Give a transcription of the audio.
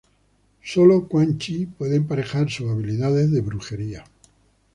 Sólo Quan Chi puede emparejar sus habilidades de brujería.